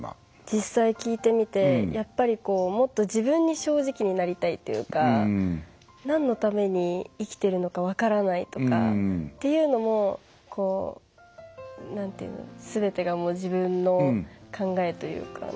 実際、聞いてみてやっぱり、もっと自分に正直になりたいっていうかなんのために生きてるのか分からないとかっていうのもすべてが自分の考えというか。